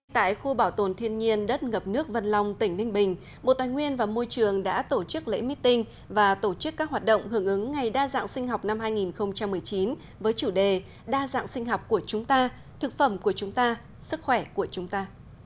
tại khu bảo tồn thiên nhiên đất ngập nước vân long tỉnh ninh bình bộ tài nguyên và môi trường đã tổ chức lễ meeting và tổ chức các hoạt động hưởng ứng ngày đa dạng sinh học năm hai nghìn một mươi chín với chủ đề đa dạng sinh học của chúng ta thực phẩm của chúng ta sức khỏe của chúng ta